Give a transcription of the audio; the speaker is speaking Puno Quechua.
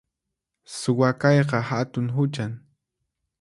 Suwa kayqa hatun huchan